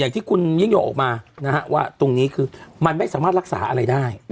อย่างที่คุณยิ่งโยออกมานะฮะว่าตรงนี้คือมันไม่สามารถรักษาอะไรได้